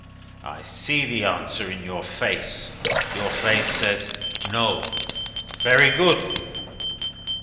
I see the answer in your face your face says, No. Very good.